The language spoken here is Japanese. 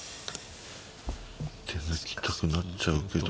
手抜きたくなっちゃうけど。